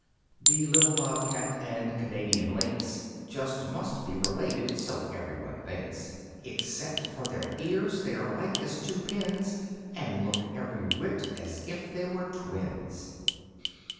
The little Bobcat and Canadian Lynx Just must be related (so everyone thinks). Except for their ears they're alike as two pins, And look every whit as if they were twins.